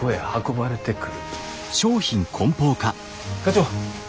課長。